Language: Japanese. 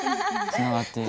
つながって。